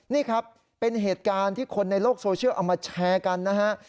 นี่ครับเป็นเหตุการณ์ที่คนในโลกโซเชียลเอามาแชร์กันนะฮะ